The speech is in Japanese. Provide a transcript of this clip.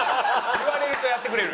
言われるとやってくれる。